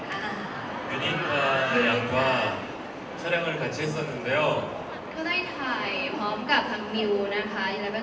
ถามอีกครั้งต่อหน้าจูกิว่าร่วมงานเขารู้สึกยังไงบ้าง